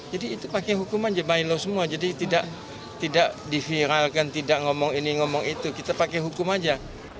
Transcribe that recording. jadi itu pakai hukuman jembatin lo semua jadi tidak diviralkan tidak ngomong ini ngomong itu kita pakai hukum aja